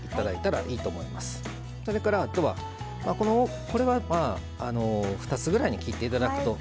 それからあとはこれは２つぐらいに切って頂くと。